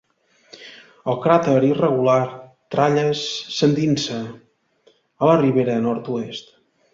El crater irregular Tralles s'endinsa a la ribera nord-oest.